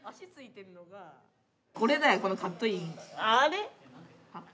これだよこのカットイン。